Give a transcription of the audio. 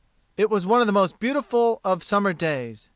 It was one of the most beautiful of summer days.